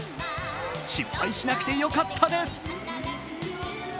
失敗しなくてよかったです。